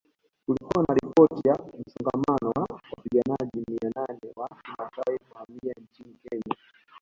Kulikuwa na ripoti ya msongamano wa wapiganaji mia nane wa Kimasai kuhamia nchini Kenya